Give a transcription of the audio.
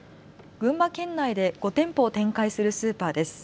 群馬県内で５店舗を展開するスーパーです。